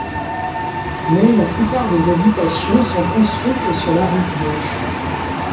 Mais la plupart des habitations sont construites sur la rive gauche.